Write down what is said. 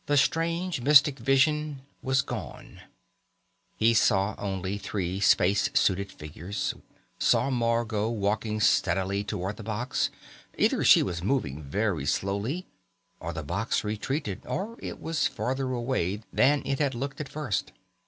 The strange, mystic vision was gone. He saw only three space suited figures, saw Margot walking steadily toward the box. Either she was moving very slowly or the box retreated or it was further away than it had looked at first.